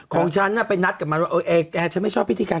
ของฉันน่ะไปนัดกับมันว่าเออแกฉันไม่ชอบพิธีการ